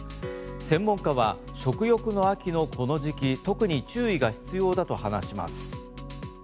専門家は食欲の秋のこの時期特に注意が必要だと話します。